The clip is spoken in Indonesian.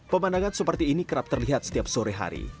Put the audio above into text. pemandangan seperti ini kerap terlihat setiap sore hari